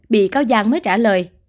bị cáo giang mới trả lời